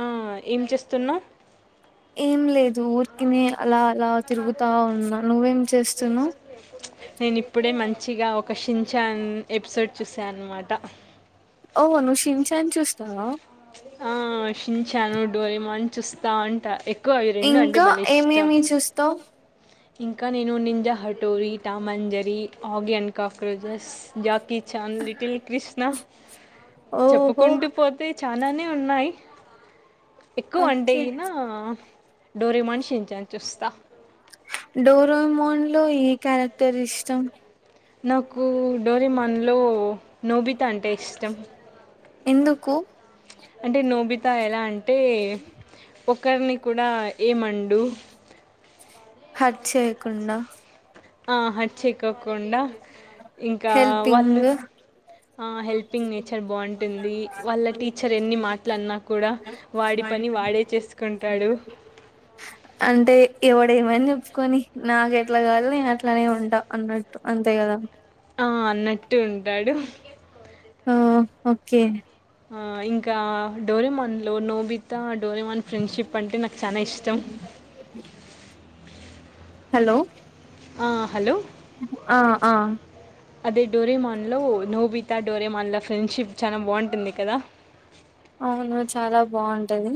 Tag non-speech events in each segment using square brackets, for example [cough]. ఆ ఏం చేస్తున్నావ్. ఏం లేదు ఊరికిని అలా అలా తిరుగుతా ఉన్నా నువ్వేం చేస్తున్నావ్ నేను ఇప్పుడే మంచి మంచిగా ఒక షిన్ఛాన్ ఎపిసోడ్ చూసాఅనమాట. ఓహ నువ్వు షించాన్ చూస్తావా డోరా మ్యాన్ చూస్తా ఉంట ఇంకా ఏమేమి చూస్తావ్ ఇంకా నేను నింజ హటోరి టామాంజరి ఆగి and cockroaches Jackie Chan little Krishna ఓహో చెప్పుకుంటూ పోతే చానానే ఉన్నాయ్ ఎక్కువ అంటే ఓకే గినా డోరేమాన్ షించాన్ చూస్తా డోరోమాన్ లో ఈ క్యారెక్టర్ ఇష్టం నాక్ కు డోరేమాన్లో నోబిత అంటే ఇష్టం ఎందుకు అంటే నోబితా ఎలా అంటే ఒకర్ని కూడా ఏమండూ హట్ చేయకుండా ఆ హట్ చెేయకోకుండా ఇంకా వాళ్ళు హెల్పింగ్ ఆ హెల్పింగ్ నేచర్ బాంటుంది వాళ్ళ టీచర్ ఎన్ని మాట్లన్నా కూడా వాడి పని వాడే చేసుకుంటాడు ఎవడేమన్ చెప్పుకోని నాకెట్లా కాల్లో నేనట్లనే ఉంటా అన్నట్టు అంతే కదా ఆ అన్నట్టు ఉంటాడు ఆ ఒకే ఆ ఇంకా డోరేమాన్ లో నోబితా డోరేమాన్ ఫ్రెండ్షిప్ అంటే నాక్ చానా ఇష్టం హలో ఆ హలో ఆ ఆ అదే డోరేమాన్లో నోబితా డోరేమాన్ల ఫ్రెండ్షిప్ చానా బాంటుంది కదా అవును చాలా బాంటది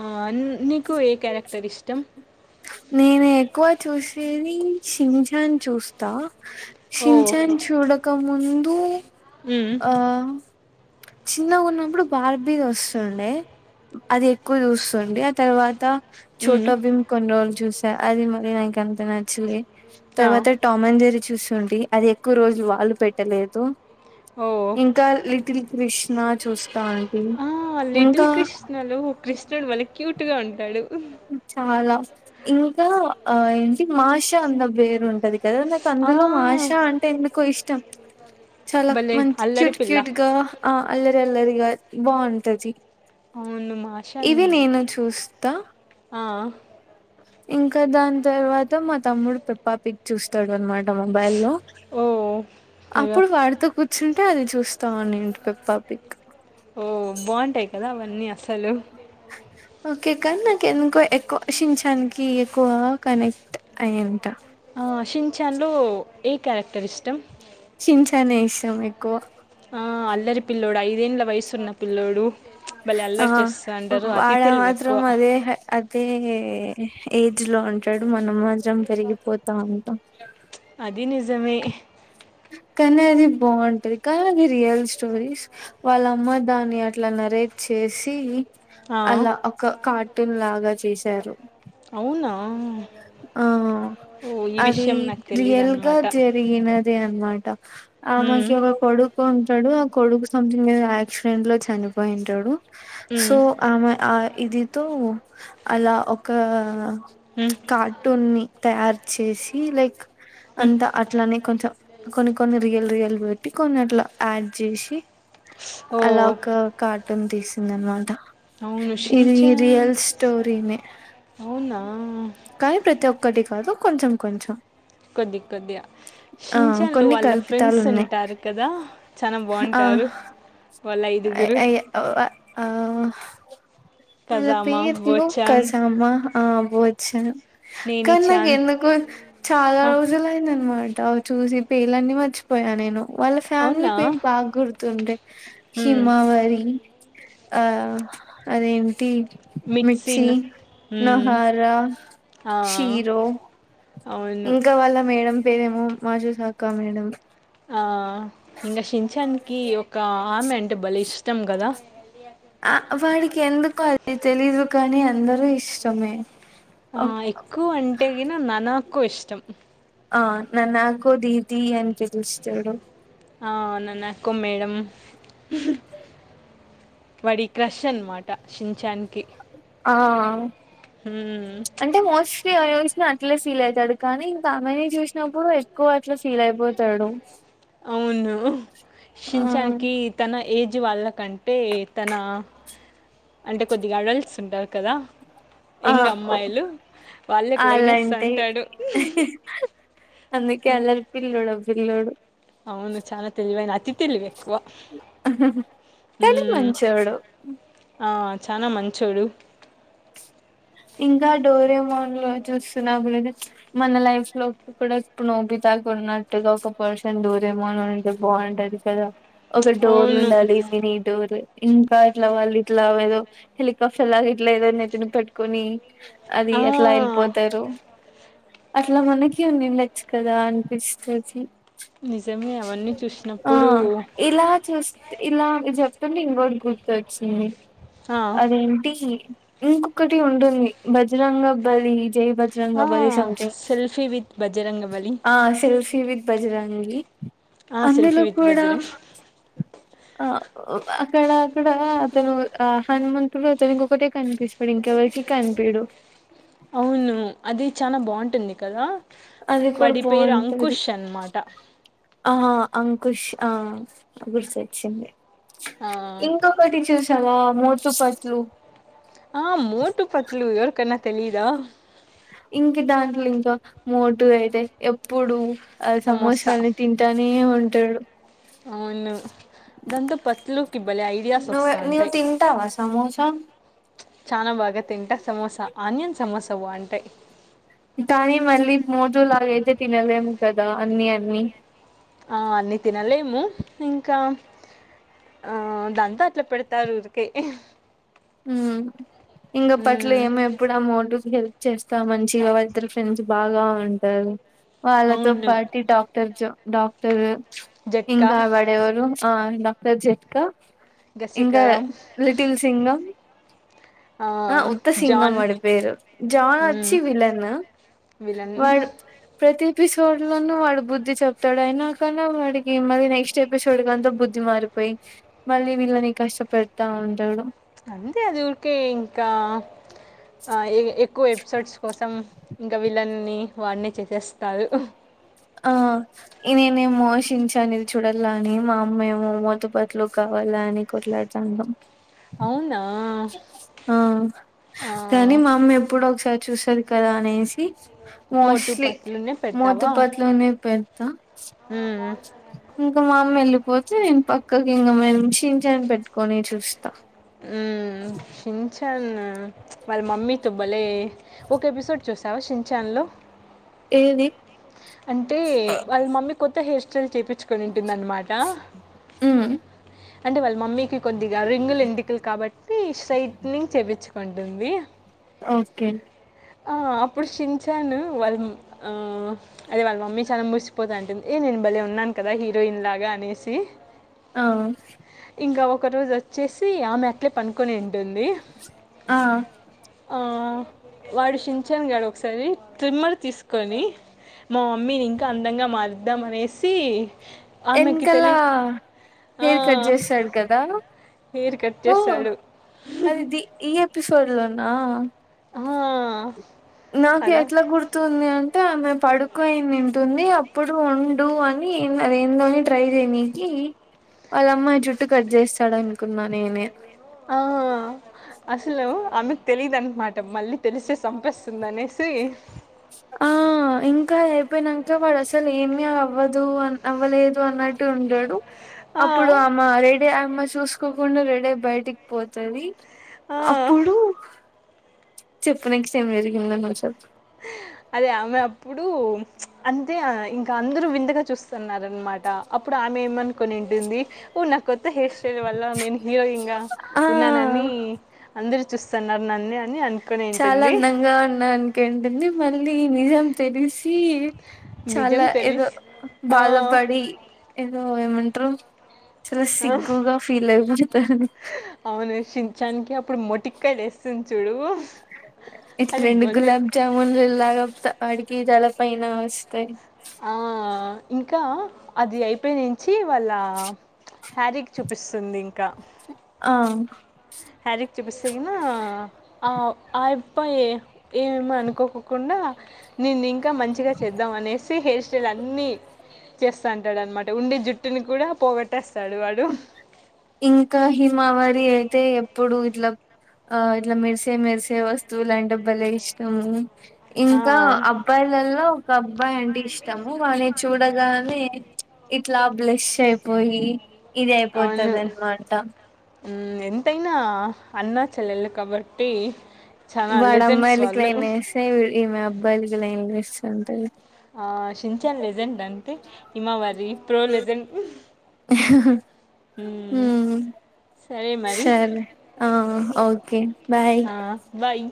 ఆ న్ నీకు ఏ క్యారెక్టర్ ఇష్టం నేను ఎక్కువ చూసేది షించాన్ చూస్తా ఓ షించాన్ చూడక ముం దు మ్మ్, ఆ చిన్నగున్నప్పుడు బార్బీదొస్తుండే అది ఎక్కువ చూస్తుండే ఆ తర్వాత మ్మ్, చోటా భీమ్ అం చూసా అది మరీ నాకంత నచ్చలే ఆ, తర్వాత టామ్ అండ్ జెర్రీ చూస్ నుండి అది ఎక్కువ రోజులు వాళ్ళు పెట్టలేదు. ఓ ఇంకా లిటిల్ కృష్ణా చూస్తా అండి ఆ, లిటిల్ ఇంకా కృష్ణలో కృష్ణుడు బలే క్యూట్ గా ఉంటాడు. చాలా ఇంకా ఆ ఏంటి మాషా అండ్ థ బేర్ ఉంటది. కదా నాకు ఆ, అందులో మాషా అంటే ఎందుకో ఇష్టం. చాలా భలే మంచి అల్లరి క్యూట్ పిల్ల క్యూట్గా ఆ అల్లరి అల్లరిగా బాగుంటది. అవును మాషన్ ఇవి నేను చూస్తా. ఆ ఇంకా దాని తర్వాత మా తమ్ముడు పెప్పా పిగ్ చూస్తాడు అనమాట. ట మొబైల్ లో ఓ పెరుగ- అప్పుడు వాడితొ కూర్చుంటే అది చూస్తాంని ఇంటికో పప్పి ఓ బాగుంటాయి కదా అవన్నీ అస్ హలో ఓకే కానీ నాకు ఎందుకో ఎక్కువ షించానికి ఎక్కువ కనెక్ట్ అయ్యింట. ఆ షించాన్లో ఏ క్యారెక్టర్ ఇష్టం. షించాన్ ఏషం మె ఆ అల్లరి పిల్లోడు ఐదు ఎన్లు వయసున్న పిల్లో హలో ఆ వ్వా వాడు తెలివి మాత్రం ఎక్కువ అదే హేయ్ అదే ఎహ్ ఏజ్ లో ఉంటాడు మానమ్మా విరం పెరిగి పోతా ఉంట అది నిజమే కానీ అది బాగుంటది. కానీ అది రియల్ స్టోరీస్ వాళ్ళమ్మ దాన్ని అట్లా నరేట్ చేసి ఆ అలా ఒక కార్టూన్ లాగా చేశారు. ఆ ఆ అది నాకు తెలియదు రియల్గా అనమాట జరిగినది. అనమాట ఆమెకి ఒక కొడుకుంట ఉంటాడు ఆ కొడుకు సంథింగ్ యాక్సిడెంట్ లో చనిపోయింటాడు. సో ఆమె ఆ ఇది తో అలా ఒక ఉ కార్టూన్ ని తయారు చేసి లైక్ అంతా అట్లానే కొంచం కొన్ని కొన్ని రియల్ రియల్ టిికనట్లా యాడ్ చేసి ఓ అలా ఒక కార్టూన్ తీసు తందమాట అవును ఇది షించాన్ రియల్ స్టోరనే అవునా కానీ ప్రతి ఒక ఒకటి కాదు కొంచెం కొంచెం కొద్ది కొద్దిగా ఆ శించన్ లో కొన్ని వాళ్ళ కల్పితాలు ఫ్రెండ్స్ ఉన్నాయి ఉంటారు కదా చాలా బాగుంటారు వాళ్ళ అ ఐదుగురు అయ్య ఆ ఇ అళ కజామా పేర్లు బోచాన్ కసామా బోచన్ కానీ నాకు నేనిచాన్ ఎందుకు చాలా ఆ, రోజులు అయిందనమాట చూసి పేలన్నీ మర్చిపోయా నేను వాళ్ళ ఫ్యామిలీ అవునా పేరు బాగా గుర్తుంటాయి మ్మ్. హిమావరి ఆ అదేం త మిక్సీ మిట్సిన్ మ్మ్. నోహారా ఆ, శీరో అవును ఇంకా వాళ్ళ మేడం పేరేమో మాజుస్ శాఖ మేడంమ్ ఆ ఇంకా షించానికి క ఒక ఆమె అంటి బలి ఇష్టం కదా ఆ వాడికి ఎందుకు అది తెలీదు కానీ అందరూ ఇష్టమే ఆ ఒక్ ఎక్కువ అంటే నా నానా ఎక్కువ ఇష్టం ఆ నన్నకో దీదీ అని తెలుస్తాడు ఆ అవునాకు మేడం వాడి క్రష్ అనమాట షించానికి ఆ అంటే మోస్ట్లీ అట్లే ఫీల్ అవుతాడు కానీ ఇంకా ఆమె ని చూసినప్పుడు ఎక్కువ అట్లా ఫీల్ అయిపోతాడు అవును ఆ షించానికి తన ఏజ్ వాళ్ళకంటే తన అంటే కొద్దిగాడల్స్ ఉంటారు కదా యంగ్ ఆఓ అమ్మాయిలు వాళ్ళకి అలా లైనేస్తా అంటే అంటాడు అందుకే అల్లరి పిల్లుడు పిల్లోడు అవును చనా తెలివైనన్ అతి తెలివి ఎక్కువ కానీ మంచోడు చాలా మంచోడు ఇంకా డోరేమోన్ లో చూస్తున్నప్పుడుతే మన లైఫ్ లో కూడా ఇప్పుడు నోబితాగ ఉన్నట్టుగా ఒక పర్సన్ డోరేమోన్ ఉంటే బాగుంటది కదా ఒక డోర్ అవును ఉండాలి మినీ డోర్ ఇంకా ఇట్లా వాళ్ళు ఇట్లా ఏదో హెలికాప్టర్ లాగా ఇట్లా ఏదో నని పెట్టు కొన్ని అది ఆ! ఎట్లా వెళ్ళిపోతారు అట్లా మనకి ఉంది కదా అనిపిచ్చత నిజమే ఎవన్నీ చూసినప్పుడు ఇలా చూస్తే ఇలా చెప్తంట ఇంకోటి గుర్తొచ్చింది ఆ! అదేంటి ఏన్ కటి ఉంటుంది భజరంగ బలి జై ఆ! Bajrangbali something 'selfie with Bajrangbali'. ఆ సిల్స్ తి విత్ భజరంగి ఆ! 'సెల్ఫీ అందులో విత్ కూడా బజరంగ్' ఆ [unintelligible] అక్కడ అక్కడ అతను ఆ హనుమంతుడు అతనికొకటే కనిపిస్తాడు ఇంకెవరికి కనిపీడు అవుండును అది చానా బావుంటుంది కదా అది కూడా వాడి పేరు బావుంటది అంకుష్ అన్నమాట. ఆ అంకుష్ ఆ గుర్సోచ్చింది ఆ! ఇంకొకటి చూశావా మో స ఫట్లు ఆ మోటు పత్లు ఎవరికన్నా తెలీదా ఇంక దాంట్లో ఇంకా మోటు అయితే ఎప్పుడూ అది సమోస సమోసా. అనేని తింటానే ఉ ఇద్దడు అవును దాంతో పత్లుకి భలే ఐడియాస్ నువ్వు వస్తా నువ్వు ఉంటాయి తింటావా సమోసా చాలా బాగా తింటా సమోసా ఆనియన్ సమోసా బావుంటాయి కానీ మళ్ళీ మోటూ లాగైతే తినలేము కదా అన్నీ అన్నీ ఆ అన్నీ తినలేము ఇంకా ఆ అదంతా అట్లా పెడతారు ఊరికే హమ్ ఇంకా పట్ల హ్మ్. ఏమో ఎప్పుడమోటుకి చేస్తా మంచిగా వాళ్ళద్దరు ఫ్రెండ్స్ బాగా ఉంటారు వాళ్ళతో అవును. పాటి డాక్టర్ జ డాక్టరు జట్కా, ఇింగా వాడేవరు ఆ డాక్టర్ జెట్కా ఇంకా గసికరం, లిటిల్ సింగం ఆ ఆహ్, ఉత్త సింగం జాన్ వాడి పేరు జాన్ హ్మ్. వచ్చి విలన్ విలన్ వాడు ప్రతి పిసోడ్ లోనూ వాడు బుద్ధి చెప్తాడు అయినాకన్నా వాడికి మళ్ళీ నెక్స్ట్ ఎపిసోడ్ కంతా బుద్ధి మారిపోయి మళ్ళీ వీళ్ళని కష్టపడతా ఉంటాడు అంతే అది కేే ఇంకా ఆ ఇవే ఎక్కువ ఎపిసోడ్స్ కోసం ఇంకా వీళ్ళని వాడినే చేసేస్తారు ఆ నేనేమో షించాను ఇది చూడాల అని మా అమ్మేమో మోటూ పత్లు కావాలా అని కొట్లాడతా ఉంటాం అవునా! ఆ ఆ! కానీ మామ్మ ఎప్పుడు ఒకసారి చూసేది కదా అనేసి మోటూ పత్లునే పెడతవా ప్పట్లోనే పెద్ద ఇంకా మా [unintelligible] వెళ్ళిపోతే నేను పక్కకి ఇంకా మేం షిన్ షాన్ పెట్టుకొని చూస్తా మ్మ్ [unintelligible] టాన్నా వాళ్ళ మమ్మీ తో భలే ఒక ఎపిసోడ్ చూసావా షిన్ షాన్లో ఏది అంటే వాళ్ళ మమ్మీ కొత్త హేర్ స్టేల్ చేపిచ్చుకొనిన్ టుందన్నమాట ఉమ్ అంటే వాళ్ మమ్మీకి కొద్దిగా రింగులు ఎంటికులు కాబట్టి స్ట్రైట్నింగ్ చేపిచ్చు [unintelligible] అంటుంది ఓకే ఆ అప్పుడు షిన్ చాన్ వాళ్ళు ఆ అదే వాళ్ళ మమ్మీ చాలా మురిసిపోతాంటుంది ఏ నేను భలే ఉన్నాను కదా హీరోయిన్ లాగా అనేసి ఆ ఇంకా ఒక రోజు వచ్చేసి ఆమె అట్లే పనుకొని టుంది ఆ ఆ వాడు షిన్ షాన్ గాడు ఒకసారి ట్రిమ్మర్ తీసుకొని మా మమ్మీని ఇంకా అందంగా మారుద్దాం అనేసి ఆమెకి ఎనకాలా తెలి ఆ హెయిర్ కట్ చేస్తాడు కదా హెయిర్ కట్ హ చేశాడు అదిది ఇయ [unintelligible] పిసోడ్ లోనా హా నాకు ఎట్లా గుర్తుంది అన్ అంతే ఆమె పడుకుయింటుంది అప్పుడు ఉండు అని అదేందోని ట్రై చేయనీనికి వాళ్ళ అమ్మ జుట్టు కట్ చేస్తాడు అనుకున్నా నేనే ఆ అసలు ఆమెకు తెలీయదున్నమాట మళ్ళీ తెలిసే సంపెస్ స్తది ఆ ఇంకా ఎప్ప అ పోయినంక వాడు అసలు ఏమి అవ్వదు అ అవ్వలేదు అన్నట్టు ఉంటాడు ఆ అప్పుడు ఆమ రెడి అమ్మ స్ చూసుకోకుండా రెడీ బయటికి పోతది ఆ అప్పుడు చెప్పనికి సేమ్ జరిగిందన్న ష అదే ఆమె అప్పుడు అంతే ఇంకా అందరు వింతగా చూస్తున్నారు అన్న మాట అప్పుడు అ ఏమనుకొనింటుంది ఓ నక్ కొత్త హెయిర్ స్టైల్ వల్ల నేను హీరోయిన్ గా ఆ ఉన్నానని అందరు చూస్తున్నారు నన్నే అని అను చాలా అందంగా ఉన్నా అని కేంటుంది మళ్ళీ నిజం తెలిసి నిజం చాలా ఏదో తెలుసు ఆ బాధపడి ఏదో ఏమంట ట్రై చాల ఆ సిగ్గుగా ఫీల్ అయిపోతాది మొటిక్క యాలు వేస్తుంది చూడు ఇట్ అది రెండు భలే గులాబ్ జాముూన్లులాగా వాడికి చాలా పైనా వస్తాయ్ ఆ ఇంకా అది అయిపోయి చే వాళ్ళ హ్యారీక్ చూపిస్తుంది క్క ఆ హ్యారిక్ చూపిస్తగిన ఆ ఆ అబ్బాయి ఏమేమో అనుకోకుండా నేను ఇంకా ఇకా మంచిగా చేద్దాం అనేసి హెయిర్ స్టైల్ అన్ని చేస్తాడనమ్మాట ఉండి జుట్టుని కూడా పోగొట్టేస్ ఇంకా హిమావారి అయితే ఇప్పుడు ఇట్లా, ఆ ఇట్లా మెరిసే మెరిసే వస్తువులంటే భలే ఇష్టము ఇంకా అబ్బాయిలలో కా అబ్బాయండి ఇష్టము వాని చూడగానే ఇట్లా బ్లెష్ అయిపోయి ఇది అయిపోతదనమాట ఊ ఎంతైనా అన్న చెల్లెలు కాబట్టి చాలా వాడ లెజెండ్స్ అమ్మాయిలకి వాళ్ళు లైన్ వేసి ఈమె అబ్బాయిలకి లైన్ ఏస్ అంతెలే ఆ చించాన్ లెజెండ్ అంతే ఇమవరి ప్రో లెజెండ్ హమ్ సరే మరి సరే ఆ ఓకే బాయ్ ఆ బాయ్